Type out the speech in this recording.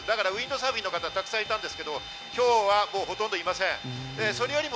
ウィンドサーフィンの方がたくさんいたんですけど、今日はもうほとんどいません。